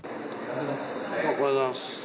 おはようございます